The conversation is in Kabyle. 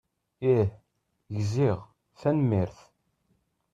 Ih, gziɣ, tanemmirt.